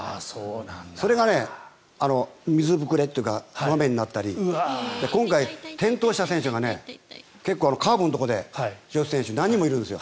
それが水膨れというかまめになったり今回、転倒した選手が結構カーブのところでした選手が何人もいるんです。